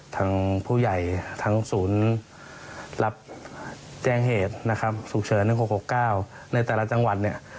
ทางผู้ใหญ่ทางศูนย์รับแจ้งเหตุสุขเฉิน๑๖๖๙ในแต่ละจังหวัด